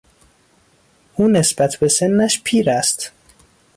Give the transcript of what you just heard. او نسبت به سنش پیر است.